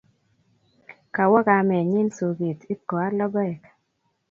Kawo kamennyi soket ipkoal logoek.